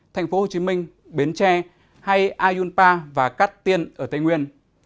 tp hcm biến tre hay ayunpa và cát tiên ở tây nguyên